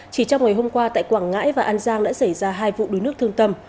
chỉ trong ngày hôm qua tại quảng ngãi và an giang đã xảy ra hai vụ đuối nước thương tâm